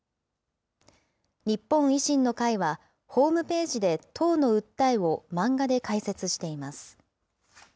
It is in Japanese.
日本維新の会は、ホームページで党の訴えを漫画で解説しています。